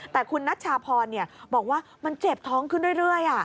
แต่คุณนัชชาพรบอกว่ามันเจ็บท้องขึ้นเรื่อย